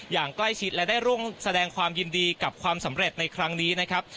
อย่างใกล้ชิดและได้ร่วมแสดงความยินดีกับความสำเร็จในครั้งนี้นะครับ